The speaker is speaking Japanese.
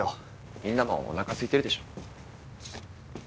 みんなもおなかすいてるでしょ？